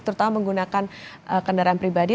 terutama menggunakan kendaraan pribadi